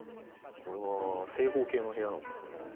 これは正方形の部屋なんですかね。